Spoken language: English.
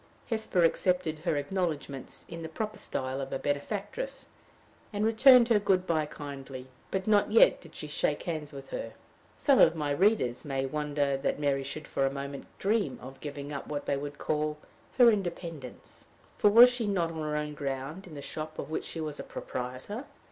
Hesper accepted her acknowledgments in the proper style of a benefactress, and returned her good by kindly. But not yet did she shake hands with her. Some of my readers may wonder that Mary should for a moment dream of giving up what they would call her independence; for was she not on her own ground in the shop of which she was a proprietor?